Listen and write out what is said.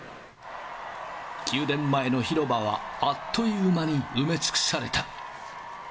宮殿前の広場は、あっという間に埋め尽くされた。